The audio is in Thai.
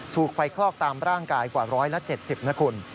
ถูกไฟคลอกตามร่างกายกว่า๑๗๐นะคุณ